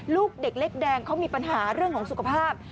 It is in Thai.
ลูกเด็กเล็กแดงเขามีปัญหาเรื่องของสุขภาพ